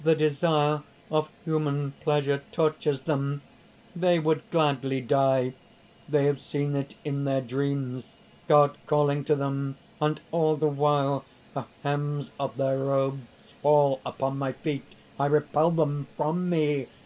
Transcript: The desire of human pleasure tortures them; they would gladly die; they have seen in their dreams God calling to them ... and all the while the hems of their robes fall upon my feet. I repel them from me.